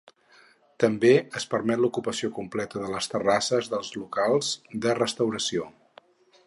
També es permet l’ocupació completa de les terrasses dels locals de restauració.